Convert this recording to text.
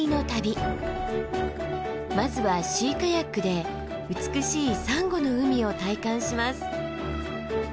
まずはシーカヤックで美しいサンゴの海を体感します。